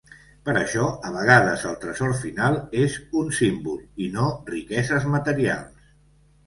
Per això, a vegades el tresor final és un símbol i no riqueses materials.